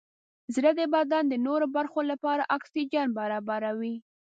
زړه د بدن د نورو برخو لپاره اکسیجن برابروي.